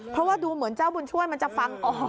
เพราะว่าดูเหมือนเจ้าบุญช่วยมันจะฟังออก